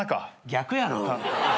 逆やろ。